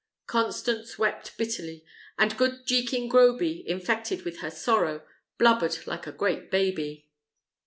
Constance wept bitterly, and good Jekin Groby, infected with her sorrow, blubbered like a great baby.